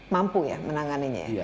mampu ya menanganinya